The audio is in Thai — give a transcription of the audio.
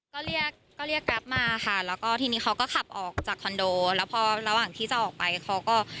ก็เรียกแกรปมาค่ะและทีนี้เขาก็ขับออกจากคอนโดเราก็ขับหลังที่จะออกไปเค้าก็